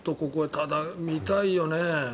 ただ、見たいよね。